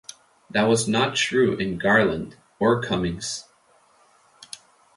That was not true in "Garland" or "Cummings".